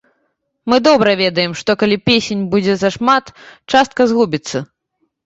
Бо добра ведаем, што калі песень будзе зашмат, частка згубіцца.